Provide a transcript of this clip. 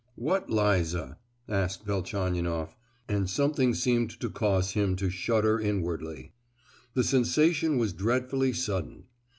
"What Liza?" asked Velchaninoff,—and something seemed to cause him to shudder inwardly. The sensation was dreadfully sudden.